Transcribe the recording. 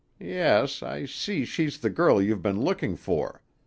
yes, I see she's the girl you've been looking for.